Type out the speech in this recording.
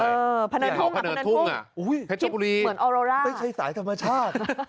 เออพนันทุ่งหรอพนันทุ่งทะชะกุลีไม่ใช่สายธรรมชาติ